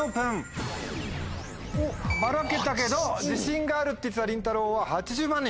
おっばらけたけど自信があるって言ってたりんたろうは８０万人。